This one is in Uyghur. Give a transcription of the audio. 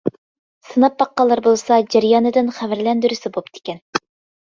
سىناپ باققانلار بولسا جەريانىدىن خەۋەرلەندۈرسە بوپتىكەن.